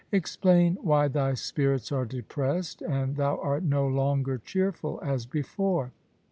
Explain why thy spirits are depressed, and thou art no longer cheerful as before.'